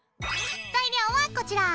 材料はこちら！